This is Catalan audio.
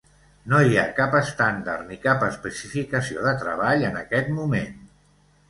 No hi ha cap estàndard ni cap especificació de treball en aquest moment.